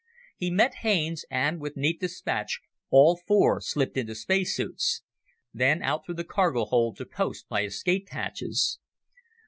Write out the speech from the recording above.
He met Haines, and, with neat dispatch, all four slipped into space suits. Then out through the cargo hold to posts by escape hatches.